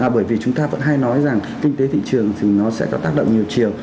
bởi vì chúng ta vẫn hay nói rằng kinh tế thị trường thì nó sẽ có tác động nhiều chiều